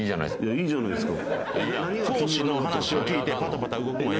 いいじゃないですか。